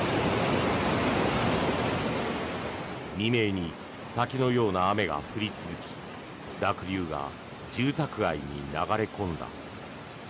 未明に滝のような雨が降り続き濁流が住宅街に流れ込んだ。